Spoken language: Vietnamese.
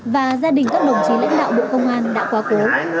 và gia đình các đồng chí lãnh đạo bộ công an đã quá cố